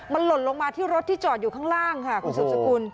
มันหล่นลงมาที่รถที่จอดอยู่ข้างล่างค่ะคุณสุบสกุล